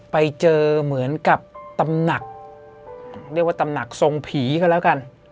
ไปเจอเหมือนกับตำหนักเรียกว่าตำหนักทรงผีก็แล้วกัน